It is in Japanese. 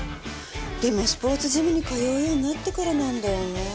でもスポーツジムに通うようになってからなんだよね。